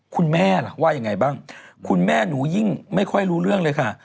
คุณแม่ล่ะว่ายังไงบ้างคุณแม่หนูยิ่งไม่ค่อยรู้เรื่องเลยค่ะ